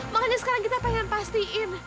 makanya sekarang kita pengen pastiin